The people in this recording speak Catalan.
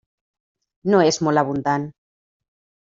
No és molt abundant.